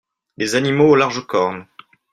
Des animaux aux larges cornes.